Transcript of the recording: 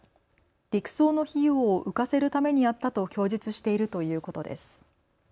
陸送の費用を浮かせるためにやったと供述しているということです。